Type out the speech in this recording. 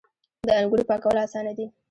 د انګورو پاکول اسانه دي.